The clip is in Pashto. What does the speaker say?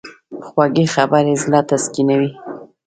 خوږې خبرې زړه تسکینوي.